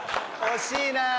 惜しいなぁ。